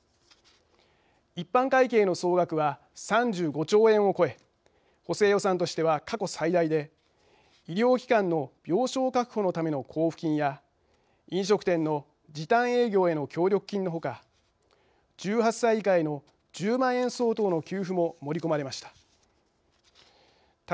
一般会計の総額は３５兆円を超え補正予算としては過去最大で医療機関の病床確保のための交付金や飲食店の時短営業への協力金のほか１８歳以下への１０万円相当の給付も盛り込まれました。